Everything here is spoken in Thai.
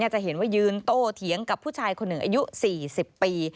จะเห็นว่ายืนโตเถียงกับผู้ชายคนหนึ่งอายุ๔๐ปี